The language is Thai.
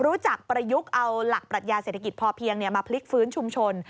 ประยุกต์เอาหลักปรัชญาเศรษฐกิจพอเพียงมาพลิกฟื้นชุมชน